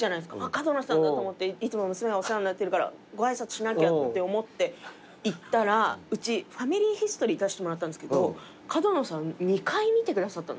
「角野さんだ！」と思っていつも娘がお世話になってるからご挨拶しなきゃって思って行ったらうち『ファミリーヒストリー』出してもらったんですけど角野さん２回見てくださったんですって。